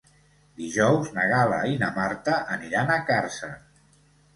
Dijous na Gal·la i na Marta aniran a Càrcer.